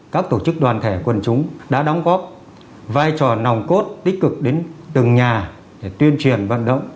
các tổ chức đoàn thể quần chúng đã đóng góp vai trò nòng cốt tích cực đến từng nhà để tuyên truyền vận động